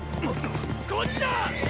こっちだ！